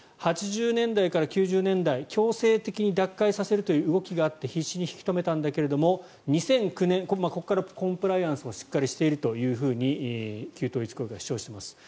８０年代から９０年代強制的に脱会させるという動きがあって必至に引き留めたんだけれども２００９年ここからコンプライアンスをしっかりしていると旧統一教会は主張しています。